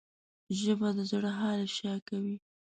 ژبه د زړه حال افشا کوي